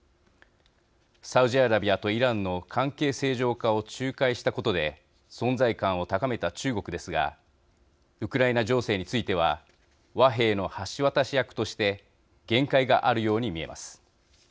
サウジアラビアとイランの関係正常化を仲介したことで存在感を高めた中国ですがウクライナ情勢については和平の橋渡し役として限界があるように見えます。